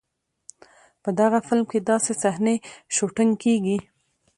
په دغه فلم کې داسې صحنې شوټېنګ کېږي.